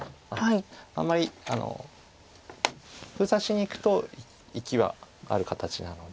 あんまり封鎖しにいくと生きはある形なので。